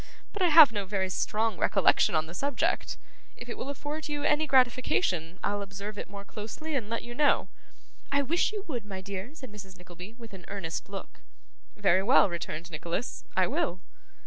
But I have no very strong recollection on the subject. If it will afford you any gratification, I'll observe it more closely, and let you know.' 'I wish you would, my dear,' said Mrs. Nickleby, with an earnest look. 'Very well,' returned Nicholas. 'I will.